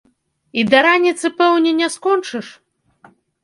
І да раніцы, пэўне, не скончыш?